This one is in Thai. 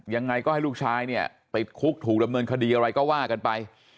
ยังไงก็ให้ลูกชายเนี่ยติดคุกถูกดำเนินคดีอะไรก็ว่ากันไป